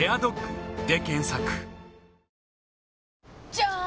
じゃーん！